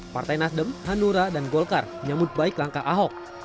partai nasdem hanura dan golkar menyambut baik langkah ahok